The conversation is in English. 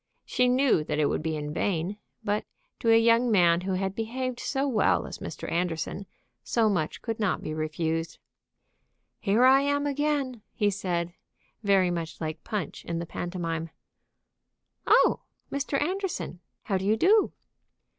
She knew that it would be in vain; but to a young man who had behaved so well as Mr. Anderson so much could not be refused. "Here I am again," he said, very much like Punch in the pantomime. "Oh, Mr. Anderson! how do you do?"